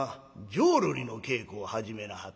浄瑠璃の稽古を始めなはったな。